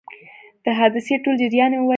د حادثې ټول جریان یې وویل.